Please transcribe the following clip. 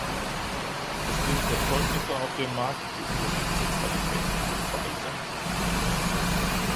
Es sind Erzeugnisse auf dem Markt, die unterschiedliche Qualitäten aufweisen.